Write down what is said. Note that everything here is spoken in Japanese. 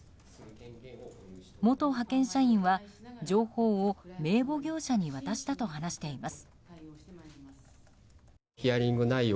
元派遣社員は情報を名簿業者に渡したと話しています。